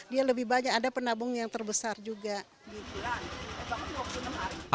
dia lebih banyak ada penabung yang terbesar juga